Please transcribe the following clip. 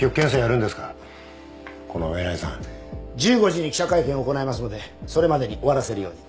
１５時に記者会見を行いますのでそれまでに終わらせるように。